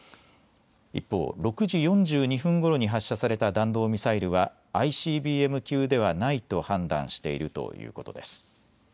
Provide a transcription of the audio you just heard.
一方、６時４２分ごろに発射された弾道ミサイルはＩＣＢＭ級ではないと判断しているということです。